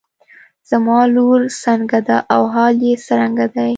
زما لور څنګه ده او حال يې څرنګه دی.